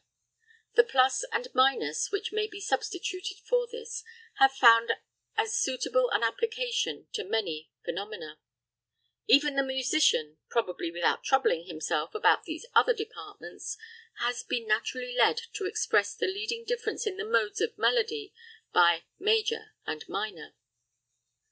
The plus and minus which may be substituted for this, have found as suitable an application to many phenomena; even the musician, probably without troubling himself about these other departments, has been naturally led to express the leading difference in the modes of melody by major and minor.